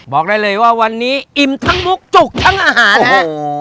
บอกได้เลยว่าวันนี้อิ่มทั้งมุกจุกทั้งอาหารฮะ